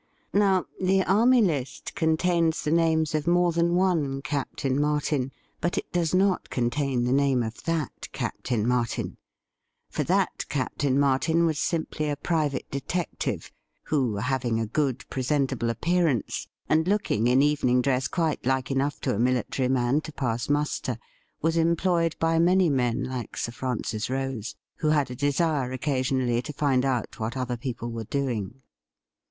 Now, the Army List contains the names of more than one Captain Martin, but it does not contain the name of that Captain Martin. For that Captain Martin was simply a private detective, who, having a good presentable appearance, and looking in evening dress quite like enough to a military man to pass muster, was employed by many men like Sir Francis Rose, who had a desire occasionally to find out what other people were doing.